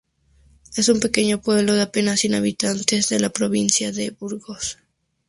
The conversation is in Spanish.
Es un pequeño pueblo de apenas cien habitantes de la provincia de Burgos.